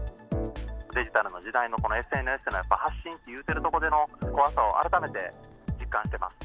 デジタルの時代のこのＳＮＳの発信っていうところでの怖さを改めて実感してます。